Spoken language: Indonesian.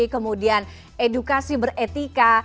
kemudian edukasi beretika